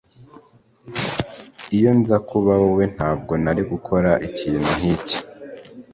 Iyo nza kuba wowe, ntabwo nari gukora ikintu nkicyo.